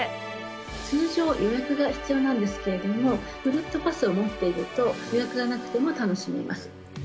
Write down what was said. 通常、予約が必要なんですけれども、ぐるっとパスを持っていると、予約がなくても楽しめます。